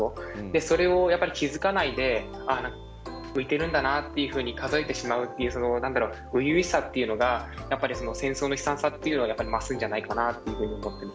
それを気付かないで何か浮いてるんだなっていうふうに数えてしまうというその初々しさというのが戦争の悲惨さというのが増すんじゃないかなと思ってます。